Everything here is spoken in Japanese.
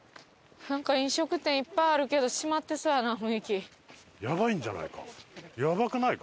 飲食店いっぱいあるけど閉まってそうやな雰囲気。